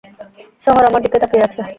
শহর আমার দিকে তাকিয়ে আছে।